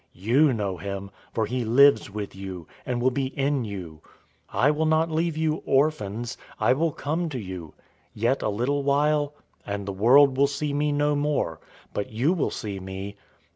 You know him, for he lives with you, and will be in you. 014:018 I will not leave you orphans. I will come to you. 014:019 Yet a little while, and the world will see me no more; but you will see me.